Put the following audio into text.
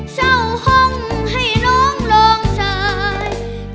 เช่าห้องให้น้องลองสาย